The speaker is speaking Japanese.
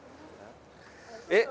えっ？